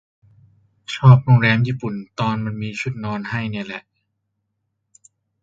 ชอบโรงแรมญี่ปุ่นตอนมันมีชุดนอนให้เนี่ยแหละ